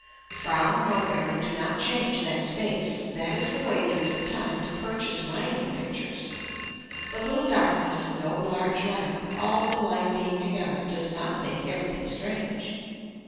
Frown nowhere and do not change that space, that is the way to use the time to purchase mining pictures. The little darkness and no large lamp, all the light being together does not make everything strange.